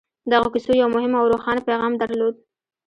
دغو کيسو يو مهم او روښانه پيغام درلود.